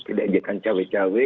tidak ajakan cawe cawe